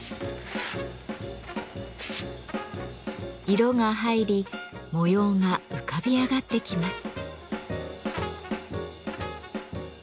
色が入り模様が浮かび上がってきます。